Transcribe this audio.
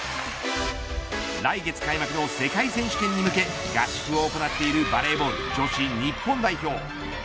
来月開幕の世界選手権に向け合宿を行っているバレーボール、女子日本代表。